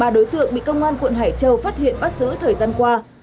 ba đối tượng bị công an quận hải châu phát hiện bắt giữ thời gian qua